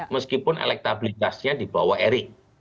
meskipun elektabilitasnya di bawah erik